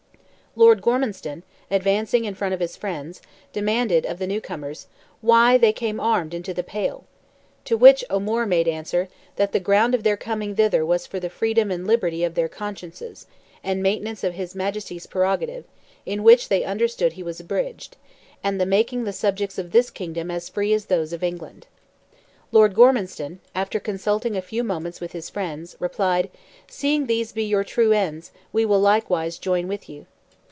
Lord Gormanstown, advancing in front of his friends, demanded of the new comers "why they came armed into the Pale?" To which O'Moore made answer "that the ground of their coming thither was for the freedom and liberty of their consciences, the maintenance of his Majesty's prerogative, in which they understood he was abridged, and the making the subjects of this kingdom as free as those of England." Lord Gormanstown, after consulting a few moments with his friends, replied: "Seeing these be your true ends, we will likewise join with you."